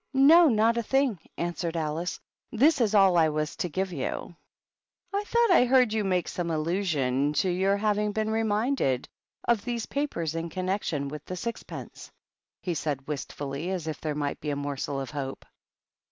"No, not a thing," answered Alice. "This is all I was to give you." THE BISHOPS. 165 " I thought I heard you make some allusion to your having been reminded of these papers in connection with sixpence?" he said, wistfully, as if there might be a morsel of hope.